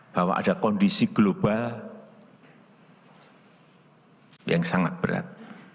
bahwa ada kondisi global yang sangat berat